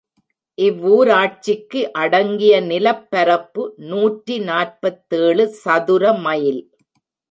இவ்வூராட்சிக்கு அடங்கிய நிலப்பரப்பு, நூற்றி நாற்பத்தேழு சதுர மைல்.